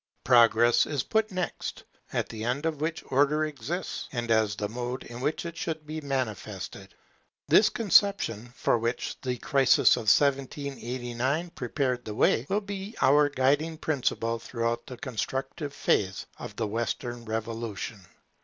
Progress is put next, as the end for which Order exists, and as the mode in which it should be manifested. This conception, for which the crisis of 1789 prepared the way, will be our guiding principle throughout the constructive phase of the Western Revolution.